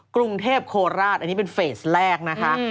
กรุงเทพโคราชอันนี้เป็นเฟสแรกนะคะ